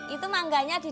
itu mangganya di dalem